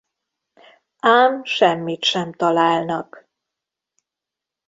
Ám semmit sem találnak.